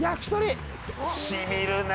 しみるな。